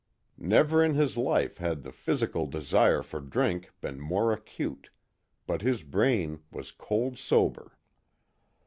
Never in his life had the physical desire for drink been more acute but his brain was cold sober.